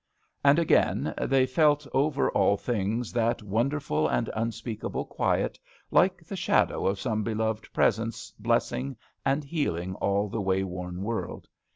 And again they felt over all things that wonderful and un* speakable quiet, like the shadow of some beloved presence bless ing and healing all the way worn world.